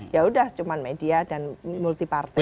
ya sudah cuma media dan multi party